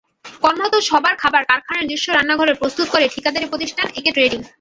কর্মরত সবার খাবার কারখানার নিজস্ব রান্নাঘরে প্রস্তুত করে ঠিকাদারি প্রতিষ্ঠান একে ট্রেডিং।